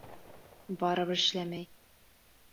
Барыбер эшләмәй!